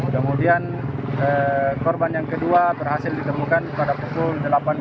kemudian korban yang kedua berhasil ditemukan pada pukul delapan belas